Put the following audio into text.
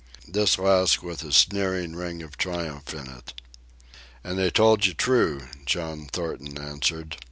This last with a sneering ring of triumph in it. "And they told you true," John Thornton answered.